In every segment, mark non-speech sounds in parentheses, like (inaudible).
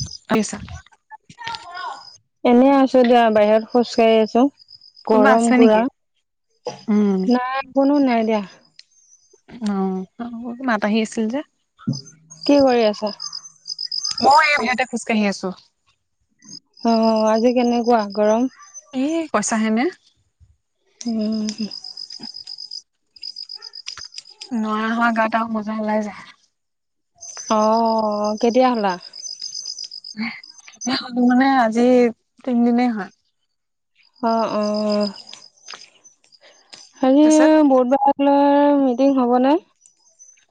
কি কৰি আছা? এনে আছোঁ দিয়া বাহিৰত খোজ কঢ়ি আছোঁ। কোনোবা গৰম আছে পুৰা, নেকি? অ নাই কোনো নাই দিয়া। উম, মাত আহি আছিল যে? কি কৰি আছা? মই সিহঁতে খোজকাঢ়ি আছোঁ। অ', আজি কেনেকুৱা গৰম? এ কৈছাহে নে? উম, নোৱাৰা নহয় গাতে মজা ওলাই যায়। অ', কেতিয়া হ'লা? হ'লো মানে আজি তিনদিনে হল। অ'অ' হেৰি তাৰপিছত বুধবাৰৈলকে মিটিং হ'বনে।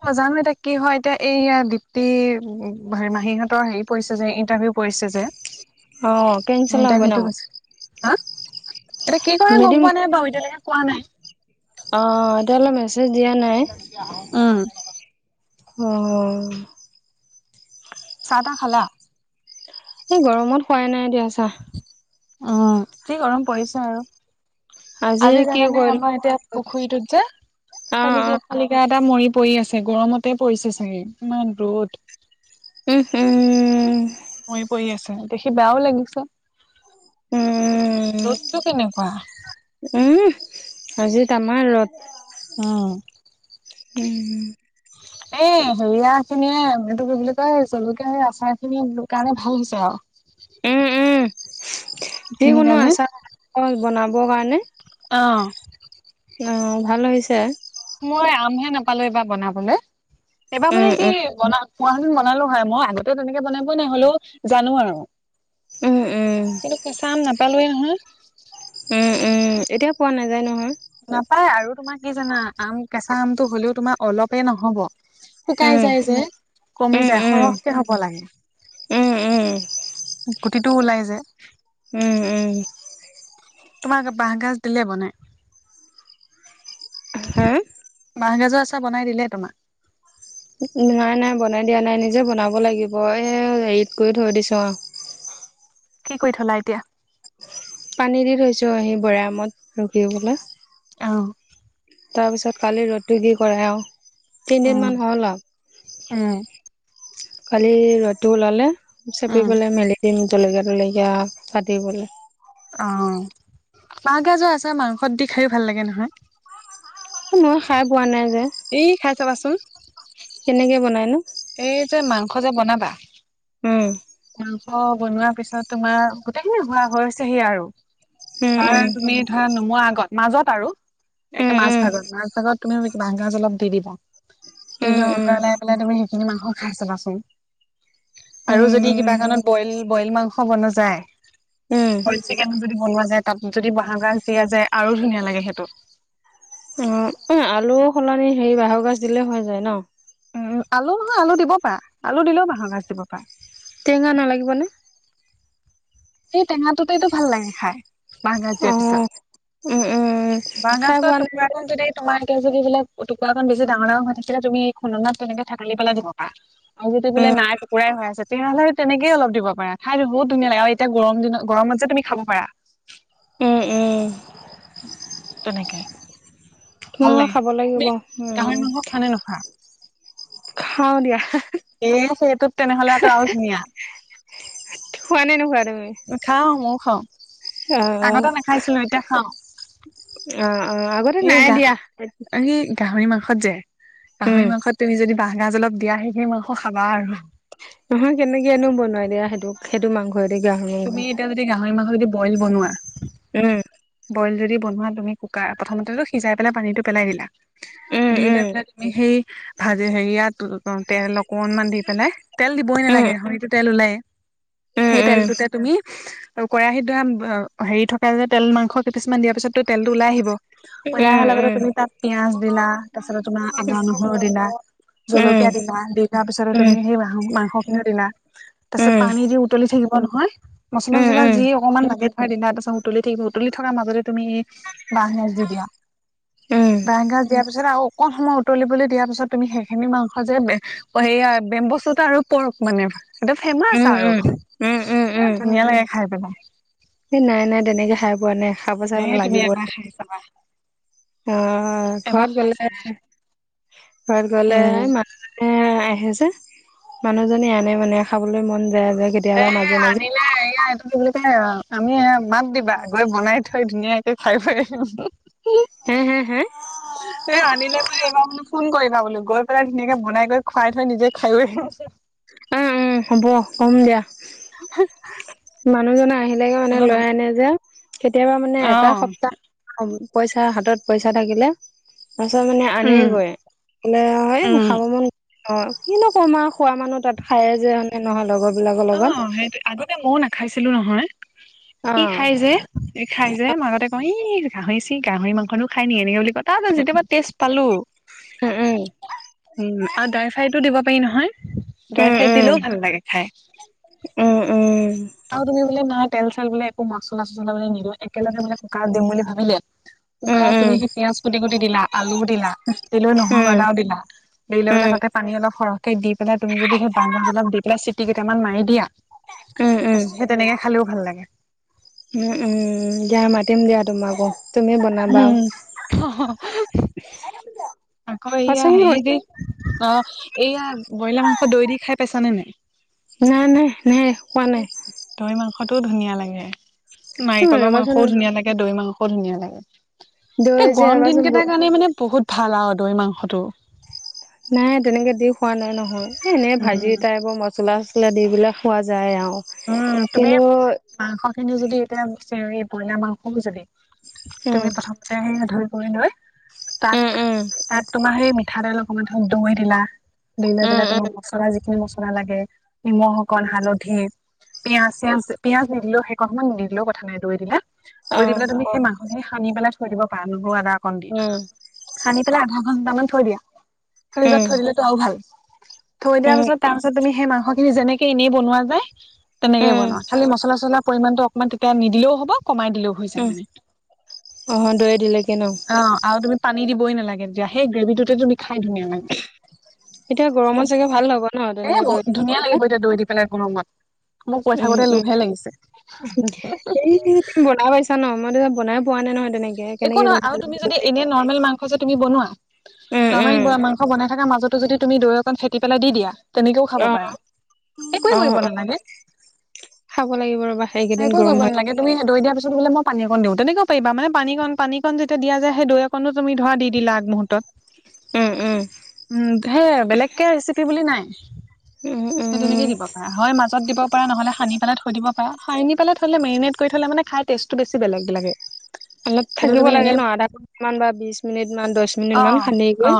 অ' জানো এতিয়া কি হয় এতিয়া এইয়া দীপ্তি উ হে মাহীহঁতৰ হেৰি পৰিছে যে ইণ্টাৰভিউ। পৰিছে যে অ কেনচেল হ'ব ন ইন্টাৰভিউটো গৈছে হা। এতিয়া কি কৰা মিটিং গ'ম পোৱা নাই বাৰু এতিয়ালৈকে কোৱা নাই। অ' এতিয়ালৈ মেছেজ দিয়া নাই উম অ' চাহ তাহ খালা? এই গৰমত খোৱাই নাই এ দিয়া চাহ। উম, কি গৰম পৰিছে আৰু। আজি কি জানানে কৰিলো আমাৰ এতিয়া পুখুৰীটোত যে অ অ শালিকি শালিকি। কিবা এটা মৰি পৰি আছে, গৰমতে পৰিছে চাগে ইমান ৰ'দ। উমহ, উমহ। মৰি পৰি আছে, দেখি বেয়াও লাগিছে। উম ৰ'দটো কেনেকুৱা। উম, আজি তামাম ৰ'দ। উম। উম। এই হেৰিয়া খিনিয়ে মটো কি বুলি কয় জলকীয়া আচাৰ খিনি দিলোঁ কাৰণে ভাল হৈছে আৰু। উম, উম, সেইখিনিৰ যিকোনো কাৰণে আচাৰ বনাবৰ কাৰণে অ' অ' ভাল হৈছে। মই আমহে নাপালোঁ, এইবাৰ বনাবলৈ, এইবাৰ উম, মানে কি উম, বনা পোৱা হ'লে বনালো হয় মই আগতে তেনেকে বনাবই নহ'লেও জানো আৰু। উম, উম, কিন্তু, কেঁচা আম নাপালোয় নহয়। উম, উম। উম, এতিয়া পোৱা নাযায় নহয়। নাপায় আৰু তোমাৰ কি জানা আম কেঁচা আমটো হ'লেও তোমাৰ অলপে নহ'ব। শুকাই উম, যায় যে, কমি উম, যায়, উম, সৰহকে হ'ব লাগে। উম, উম, গুটিটো ওলাই যে। উম, উম। তোমাক বাঁহগাজ দিলে বনাই। হা বাঁহগাজৰ আচাৰ বনাই দিলে তোমাক। নাই নাই বনাই দিয়া নাই। নিজে বনাব লাগিব এ হেৰিত কৰি থৈ দিছোঁ আৰু। কি কৰি থলা এতিয়া। পানী দি থৈছো আহি বৈয়ামত ৰুটি পেলায়। অ' তাৰপিছত কালি ৰ'দটো কি কৰে আৰু উম তিনিদিনমান হ'ল আহ। উম। কালি ৰ'দটো ওলালে উম, চেপিপেলাই মেলি দিম জলকীয়া তলকীয়া কাটি পেলায় অ' বাঁহ গাজ যে আছে মাংস দি খায়ো ভাল লাগে নহয়। উম, মই খাই পোৱা নাই যে। এই খাই চাবাচোন। কেনেকে বনাই নো। এই যে মাংস যে বনাবা। উম। মাংস বনোৱাৰ পিছত তোমাৰ গোটেইখিনি হোৱা হৈ হৈছেহি আৰু। উম উম তাৰ তুমি ধৰা নুমোৱা আগত মাজত আৰু উম এনে মাছ উম ভাগত মাছ ভাগত তুমি বাহঁগাজ অলপ দি দিবা দি লৈ উম উতৰলাই পেলাই তুমি। হেইখিনি মাংস খাই চাবাচোন। উম আৰু যদি কিবা উম কাৰণত বইল বইল মাংস বনাৱো যায়। উম বইল চিকেনো যদি বনোৱা যায়। তাত যদি বাঁহগাজ দিয়া যায় আৰু ধুনীয়া লাগে সেইটো। উম। অ', আলুৰ সলনি হেৰি বাঁহৰ গাজ দিলেই হৈ যায় ন। উম, আলু নহয়, আলু দিব পাৰা, আলু দিলেও বাঁহৰ গাজ দিব পাৰা। টেঙা নালাগিব নে? সেই টেঙাটোতেইতটো ভাল লাগে খাই, বাহৰ গাজ অ দিয়াৰ পিছত। উম উম বাঁহ খাই গাজৰ পোৱা নাই টুকুৰা যে যদি এইবিলাক টুকুৰাকন বেছি ডাঙৰ ডাঙৰ হৈ থাকিলে, খুনাত তেনেকে থাকি পেলাই দিব পাৰা। আৰু যদি বোলে নাই, টুকুৰাই হৈ আছে, তেতিয়াহ'লে তেনেকেই অলপ দিব পাৰা, খাই বহুত ধুনীয়া লাগে আৰু এতিয়া গৰম দিনত, গৰমত যে তুমি খাব পাৰা। এ এ। তেনেকে। ভাল মই লাগে, খাব লাগিব তুমি উম গাহৰি মাংস খোৱা নে নোখোৱা? খাওঁ দিয়া, হা হা। এই সেইটোত তেনেহ'লেতো আৰু ধুনীয়া। খোৱা নে নোখোৱা তুমি? খাওঁ ময়ো খাওঁ, অ আগতে নাখাইছিলোঁ এতিয়া খাওঁ। উম উম, আগতে নাই দিয়া। এই গাহৰি মাংসত যে, উম গাহৰি মাংসত তুমি যদি বাঁহগাজ অলপ দিয়া, সেইখিনি মাংস খাবা আৰু। ওহো, কেনেকেনো বনোৱাই দিয়া সেইটো, সেইটো মাংস দি গাহৰি। তুমি এতিয়া গাহৰি মাংস যদি বইল বনোৱা উম। বইল যদি বনোৱা, তুমি কুকাৰ, প্ৰথমতেতো সিজাই পেলাই পানীটো পেলাই দিলা। উম দি লৈ পেলাই তুমি সেই, ভাজি, হেৰিয়াত তেল অকনমান দি পেলাই তেল দিবই উম উম নালাগে, গাহৰিটো তেল ওলায়েই। উম উম সেই তেলটোতেই তুমি, কেৰাহিত ধৰা হেৰি থকা যে তেল মা কেইপিছ মান দিয়াৰ পিছতটো তেলটো ওলাই আহিব, উম উলাই অহা উম লগতে উম তুমি তাত পিয়াঁজ দিলা, তাৰপিছত তোমাৰ আদা নহৰু দিলা, উম জলকীয়া দিলা, দি লোৱা পিছত উম, তুমি সেই মাংসখিনিও দিলা। তাৰ পিছত উম, পানী দি উতলি থাকিব নহয়, মচলা উম, চছলা উম, যি অকনমান লাগি পৰাই দিলা, তাৰপাত উতলি থাকিব উতলি থকাৰ মাজতেই তুমি এই বাঁহ গাজ দি দিয়া। উম। বাঁহগাজ দিয়াৰ পিছত আৰু অকণ সময় উতলিবলৈ দিয়াৰ পিছত, তুমি সেইখিনি মাংস যে অ', সেইয়াই, বেম্বো চুত আৰু পৰ্ক মানে, এইটো ফেমাচ উম, আৰু। উম। উম, উম, উম, এই ধুনীয়া লাগে খাই পেলাই। এই নাই নাই, তেনেকে খাই পোৱা নাই, খাব যাব লাগিব। চাবা। অ', ঘৰত চাবা গলেহে ঘৰত উম গ'লেহে মা এ আহে যে, মানুহজনী আনে মানে, খাবলৈ মন যায় কে এই আনিলে এইয়া (unintelligible) আমি মাত দিবা, গৈ বনাই থৈ ধুনীয়াকে খাই বৈ আহিম। হে, হে, হা? এ আনিলে বুলি, এ ফোন কৰিা বোলো, গৈ পেলাই ধুনীয়াকে বনাই কৰি খুৱাই থৈ, নিজেও খাই আহিম। উম, উম, হ'ব, ক'ম দিয়া। হুহ। মানুহজনে আহিলেই মানে লৈ আনে যে, কেতিয়াবা মানে অ এটা সপ্তাহ পইচা, হাতত পইচা থাকিলে তাৰপিছত মানে উম আনেগৈ, লে, এই উম খাব মন অ', কিনো কম আৰু, খোৱা মানুহ তাত খায় যে। নহয়, লগৰ বিলাকৰ লগত অ', সেইটোৱেই, আগতে ময়ো নাখাইছিলোঁ নহয়, অ ই খাই যে। সি খাই যে, মই আগতে কওঁ, ই গাহৰি চি, গাহৰি মাংসনো খাই নি? এনেকে বুলি কওঁ। তাৰছ যেতিয়াবা তেজ পালো উম উম আৰু ড্ৰাই ফ্ৰাইতটো দিব পাৰি নহয় উম ড্ৰাই ফ্ৰাই উম দিলেও ভাল লাগে খাই উম উম আৰু তুমি নাই তেল চাই বোলে একো মাচলা চচলা বুলি নিদিওঁ একেলগে মানে কুকাত দিম বুলি ভাবিলে উম কুকাৰত উম তুমি সেই পিয়ঁয়াজ কুটি কুটি দিলা আলুও দিলা তে লৈ উম উম উম নহৰু আদাও দিলা দেৰি লৈবলে তাতে পানী অলপ সৰহ দি পেলাই তুমি যদি সেই বান্ জ্বলপ দি পেলাই চিটি কেইটামান মাৰি দিয়া উম তাৰ পিছত উম সেই তেনেকে খালেও ভাল লাগে উম উম দিয়া মাতিম দিয়া তোমাকো তুমি বনাবা উম আাকয় সঁচাকে হেই কৈছো দে অ এইয়া ব্ৰইলাৰ মাংস দৈ দি খাই পাইছ নে নাই নাই নাই নাই কোৱা নাই দৈ মাংসটোও ধুনীয়া লাগে উম নাৰিকলৰ ৰবাচোন মাংসও ধুনীয়া লাগে দৈ মাংসও ধুনীয়া লাগে দৈ এয়া যে গৰম দিন ৰবাচোন কেইটাৰ কাৰণে মানে বহুত ভাল আৰু দৈ মাংসটো নাই তেনেকে দি খোৱা নাই নহয় এ এনে ভাজি উম এটাই বৰ ম পচলা চচলা দিিবিলাক খোৱা যায় আৰু উম তুমি কিন্তু মাংস খিনি যদি এতিয়া বইলাৰ মাংসও যদি উম তুমি প্ৰথমতে সেই ধুই কৰিু লৈ তাত উম উম তাত তোমাৰ সেই িঠাৰে অকমান ধ দৈ দিলা দিৈ লৈ উম পেলাই তোমাৰ উম মচলা যিখিনি মচলা লাগে নিমখ অকন হালধি পিয়ঁয়াজ চিয়াজ পিিয়য়াজ নিদিলে সেইেকমান নিদিলেও কথা নাই দৌৰি দিলে দৈ অহ দিলে তুমি সেই মাং সেই সানি পেলাই থৈ দিব পাৰা নৰু আদা অকণ দি উম সানি পেলাই আধা ঘন্টা মান থৈ দিয়া ফ্ৰিজত উম থৈ দিলেতোও ভাল থৈ দিয়া উম পিছত তাৰ পিছত তুমি সেই মাংসখিনি যেনেকে এনেই বনোৱা যায় তেনেকে উম বনোৱা খালি মছলা চছলা পৰিমটো মান তেতিয়া নিদিলেও হ'ব কমাই দিলেও উম মানে অহ দৈ দিলেগে ন অ আৰু তুমি পানী দই নালাগে তেতিয়া সেই গ্ৰেভিটোতে তুমি খাই ধুনীয়া লাগে এতিয়া গৰমত চাগে ভাল হ'ব ন এ তেনেকে দৈ বহুত দি ধুনীয়া লাগিব পেলাই? এতিয়া দৈ দি পেলাই কোনো মত মই কৈ উম থাকোতে উম লোহে লাগিছে হেৰি বনাই পাইছা ন মইতিয়া বনাই পোৱা নাই নয় একো নহয় আৰু তুমি যদি এনে নৰ্মেল মাংস যে তুমি বনোৱা উম উম নৰ্মেল মাংস বনাই থকা মাজতো যদি তুমি দৈ অকন ফেটি পেলাই দি দিয়া তেনেকেও খাব অ পাৰা অ একোৱে কৰিব অ নালাগে খাব লাগিব ৰবাহ এক একো কৰিব নালাগে তুম দৈ দিয়াৰ পিছতোলে মই পানীক দিওঁ তেনেকুৱ পাৰিবাান পানীক পানীক যেতিয়া দা যায় সেইৈক কোুমি ধৰা দি দিলা আগুহৰ্তত উম উম উ হে বেলেগকে ৰেচিপি বুলি নাই উম উম সেই তেনেকে দিব পাৰ হয় মাজত দিব পৰাা নহ'লে সানি পেলাই থৈ দিব পাৰা খাই নি পালেলে মেৰিনেট কৰি থ' মে খাই টেষ্টটো বেছি বেলেগিলাগে অলপ থাকিব লাগে ন আধা ঘণ্ট মান বা বিশ মিনিট মান দহ মিনিট অ মান সান্ি গৈ অ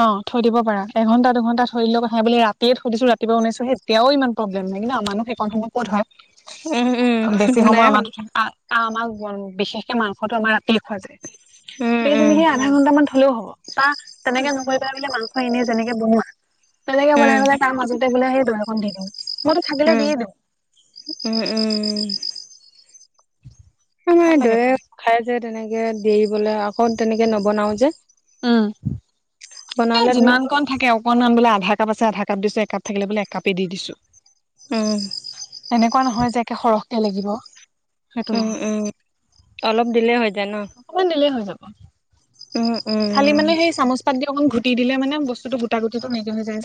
অ থৈ দিব পাৰা এঘণ্টা দুঘণ্টা থৈ দিলও কথাাই বুলি ৰাতিয় থৈ দিছো ৰাতিুৱা ওাইোে এতিয়াও ইমান প্ৰব্লেম নাই ন মুহ সেইক সময় ক'ত হয় উম উম বেছি বনাই সময় হ'ল আমাৰো আমাক বিশেষকে মাংসতো আমাৰ ৰাতিয় খোৱা যায় উম গতিকে তুমি উম সেই আধা ঘন্ট মান থলেও হ'ব বা তেনেকে নহৈ পেলাই ব বুলি মানুহ হয় এনে যেনেকে বনোৱা তেনেকে বনাই উম পেললে তাৰ মাজতে বোলে সেই দৰাখনন দি দিম মইতো থাগিলে উম দিয়ে দিওঁ উম উম মে ভাল লাগে দয়ে খাই যে, তেনেকে দিৰি বলে আকৌ তেনেকে নবনাও যে উম, এ বনালে যিমান কণ থাকে, অকনমান বোলে আধা কাপ আছে, আধা কাপ দিছো, একাপ থাকিলে বোলে একাপেই দি দিছো উম, এনেকুৱা নহয় যে, একে সৰহকে লাগিব সেইটো উম, নহয় উম, অলপ দিলেই হৈ যায় ন অকমান দিলেই হৈ যাব। উম, উম, খালি মানে, সেই চামুচ পাত দি অকণ ঘুটি দিলে মানে, বস্তুটো গোটটাুিটো নাইকিয়া যায়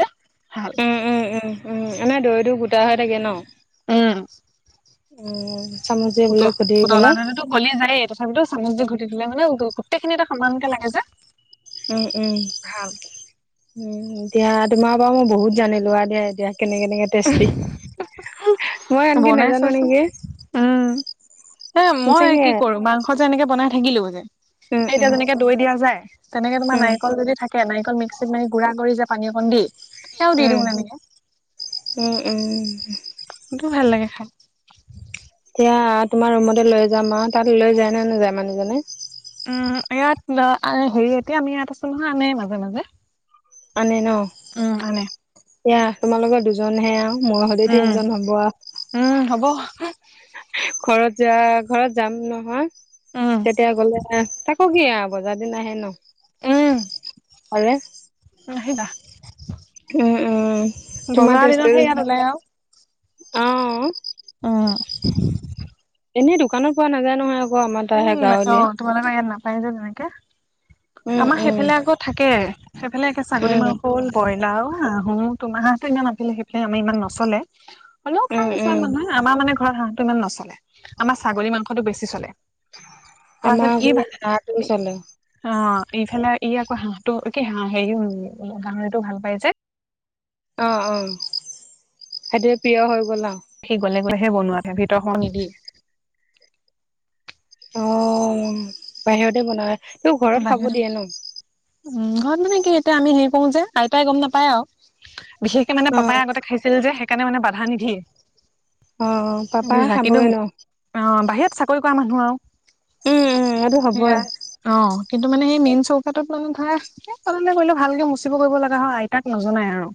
ভাল উম, উম, উম, এনে দৈটো গোটা হৈ থাকে ন উম, উম চামুচে বোলে খুদি বোলে উতলা ধতো গলে যায়। তথাপিতো চামু্ৰি ঘটি দিলোনে, গোটেইখিনি এটা সমানকে লাগে যে- উম, উম, ভাল উম, এতিয়া তোমাৰ পৰা মই বহুত জানিলো আৰু দিয়া, এতিয়া কেনেকে কেনেকে টেষ্টি মই আনকি বনাইছা নাজানো চোন, নেকি উম এ মই সঁচাকে কি কৰোঁ মাংস যে এনেকে বনাই থাকিলো যে, উম উম এতিয়া যেনেকে দৈ দিয়া যায়, তেনেকে তোমাৰ উম নাৰিকল যদি থাক মিক্সিত মানে গুড়া কৰি যে পানী অকণ দি সেয়াও দি দিওঁ উম, তেনেকে উম, উম, সেইটো ভাল লাগে খাই এতিয়া তোমাৰ ৰুমতে লৈ যাম, অ', তাত লৈ যায় নে নেযায় মানুহজনে? উম, ইয়াত হেৰি এতিয়া আমি ইয়াত আছো নহয় আনে মাজে মাজে আনে ন উম আনে এয়া তোমালোকৰ দুজনহে আৰু মই হ'লে উম তিনিজন হ'ব আৰু উম, হ'ব ঘৰত যোৱা ঘৰত যাম নহয়, উম তেতিয়া গ'লে তাকো কি আৰু বজাৰ দিন আহে ন উম, হ'লে আহিবা উম, উম, তোমাৰ বজাৰৰ টেষ্ট দিনতহে ইয়াত ওলাই আৰু অ', অ', এনেই দোকানত পোৱা নাযায় নহয়, আকৌ আমাৰ তাৰ সে উম অ গাঁৱলীয়া তোমালোকৰ ইয়াত নাপাই যে তেনেকে উম আমাৰ উম সেইফালে আকৌ থাকে, সেইফালে একে ছাগলী উম মাংস হ'ল ব্ৰইলাও হাঁহো, তোমাৰা হাঁহটো আমি সিমান নচলে হ'লেও, উম খাই উম কিছুমান মানুহে আমাৰ মানে ঘৰত হাঁহতটো ইমান নচলে, আমাৰ ছাগলী মাংসতটো বেছি চলে তাৰপিছত আমাৰ ই আকৌ ইয়াত হাঁহটো চলে অ', ইফালে ই আকৌ হাঁহটো কি হাঁ হেৰি গাহৰিটো ভাল পাই যে অ', সেইটোৱে প্ৰিয় হৈ গ'ল আৰু সি গ'লে গ'লেহে বনোৱা ভিতৰত সোমাব নিদিয়ে অ', বাহিৰতে বনায় বাহিৰত উ ঘৰত মানে, কি এতিয়া আমি হেৰি কৰোঁ যে, আইতাই গম নাপায় আৰু বিশেষকে মানে, অ পাপাই আগতে খাইছিল যে সেইকাৰণে মানে বাধা নিদিয়ে অ ', পাপা বুজিছা কিন্তু খাবয়ই ন অ', বাহিৰত চাকৰি কৰা মানুহ আৰু উম উম এইটো হ'বই সেয়া অ', কিন্তু মানে, সেই মেইন চৌকাতোত মানে ধৰা তলে তলে কৰিলে ভালকে মুচিব কৰিব লগা হয়, আইতাক নজনাই আৰু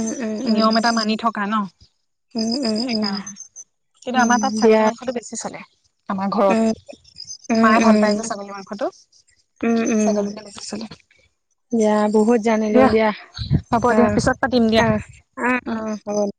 উম উম উম নিয়ম এটা মানি থকা ন, উম উম উম সেইকাৰণে কিন্তু উম আমাৰ তাত দিয়া ছাগলী মাংসটো বেছি চলে, আমাৰ উম ঘৰত উম মায়ে ভাল পায় উম যে ছাগলী মাংস টো উম উম ছাগলিকে বেচি চলে দিয়া বহুত জানিলো দিয়া হ'ব অ দিয়া পিছত পাতিম দিয়া অহ অহ অ হ'ব